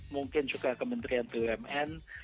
mungkin juga kementerian bumn